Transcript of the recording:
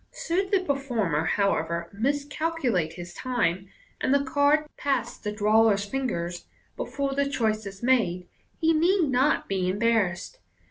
Should the performer, however, miscalculate his time, and the card pass the drawer's fingers before the choice is made, he need not be embar rassed.